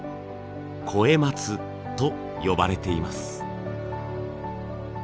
「肥松」と呼ばれています。